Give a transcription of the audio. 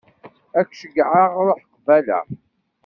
Ad k-ceyyɛeɣ ruḥ qbala.